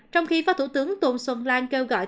trong khi phó thủ tướng tôn xuân lan kêu gọi